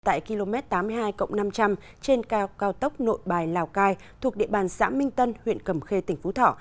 tại km tám mươi hai năm trăm linh trên cao tốc nội bài lào cai thuộc địa bàn xã minh tân huyện cầm khê tỉnh phú thọ